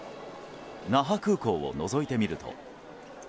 那覇空港をのぞいてみると。